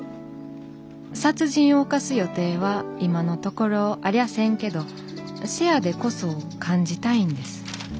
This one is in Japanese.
殺人を犯す予定は今のところありゃせんけどせやでこそ感じたいんです。